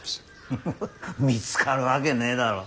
フフフ見つかるわけねえだろ。